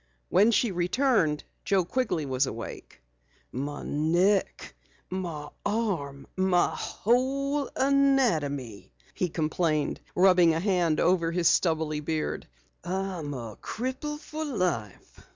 When she returned, Joe Quigley was awake. "My neck! My arm! My whole anatomy!" he complained, rubbing a hand over his stubbly beard. "I'm a cripple for life."